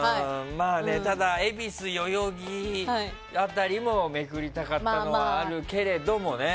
ただ恵比寿、代々木辺りもめくりたかったのはあるけどね。